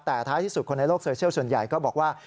แต่ท้ายที่สุดคนในโลกโซเชียลส่วนใหญ่ก็บอกว่า